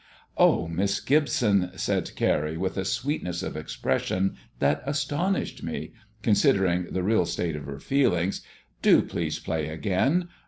"Oh, Miss Gibson," said Carrie, with a sweetness of expression that astonished me, considering the real state of her feelings, "do please play again.